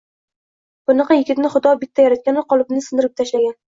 Bunaqa yigitni xudo bitta yaratganu qolipini sindirib tashlagan!